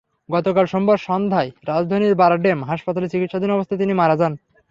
গতকাল সোমবার সন্ধ্যায় রাজধানীর বারডেম হাসপাতালে চিকিৎসাধীন অবস্থায় তিনি মারা যান।